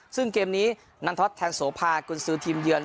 ซึ่งเกมนี้นันทศแทนโสภากุญสือทีมเยือน